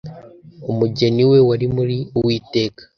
umugeni we, wari muri uwiteka